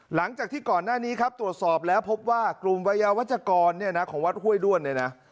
หลังจากที่ก่อนหน้านี้ครับตรวจสอบแล้วพบว่ากลุ่มวัยวัชกรเนี่ยนะ